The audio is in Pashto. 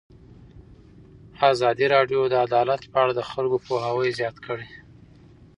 ازادي راډیو د عدالت په اړه د خلکو پوهاوی زیات کړی.